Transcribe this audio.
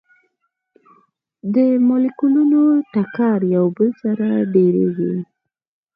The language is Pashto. د مالیکولونو ټکر یو بل سره ډیریږي.